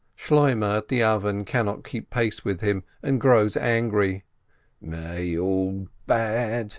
Shloimeh at the oven cannot keep pace with him, and grows angry : "May all bad.